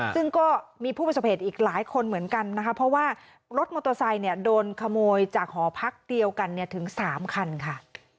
ซึ่งก็มีผู้ประสบเหตุอีกหลายคนเหมือนกันนะคะเพราะว่ารถมอเตอร์ไซค์โดนขโมยจากหอพักเดียวกันถึง๓คันค่ะ